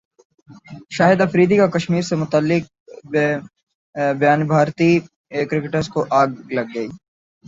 شاہد افریدی کا کشمیر سے متعلق بیانبھارتی کرکٹرز کو اگ لگ گئی